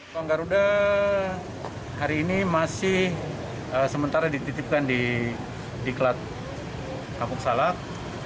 pang garuda hari ini masih sementara dititipkan di klat kampung salak